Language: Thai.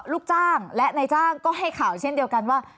ลูกจ้างและนายจ้างก็ให้ข่าวเช่นเดียวกันว่า